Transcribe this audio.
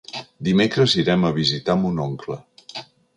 Dimecres irem a visitar mon oncle.